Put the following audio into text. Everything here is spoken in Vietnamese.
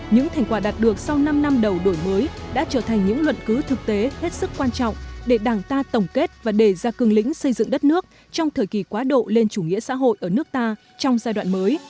những thành quả đạt được sau năm năm đầu đổi mới đã trở thành những luận cứ thực tế hết sức quan trọng để đảng ta tổng kết và đề ra cường lĩnh xây dựng đất nước trong thời kỳ quá độ lên chủ nghĩa xã hội ở nước ta trong giai đoạn mới